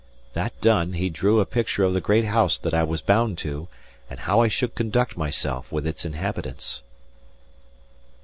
That done, he drew a picture of the great house that I was bound to, and how I should conduct myself with its inhabitants.